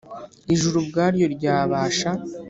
Ijuru ubwaryo ryabasha